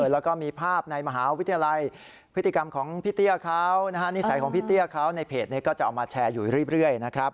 แล้วก็มีภาพในมหาวิทยาลัยพฤติกรรมของพี่เตี้ยเขานะฮะนิสัยของพี่เตี้ยเขาในเพจนี้ก็จะเอามาแชร์อยู่เรื่อยนะครับ